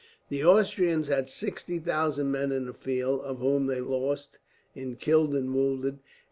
The Austrians had 60,000 men in the field, of whom they lost in killed and wounded 8114.